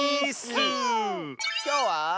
きょうは。